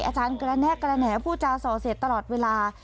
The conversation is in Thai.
อาจารย์กระแนะกระแหน่ผู้จาสอเสร็จตลอดเวลา